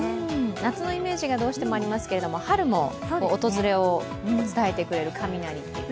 夏のイメージがどうしてもありますけど春も訪れを伝えてくれる雷っていうね。